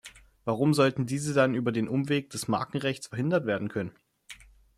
Warum sollten diese dann über den Umweg des Markenrechts verhindert werden können?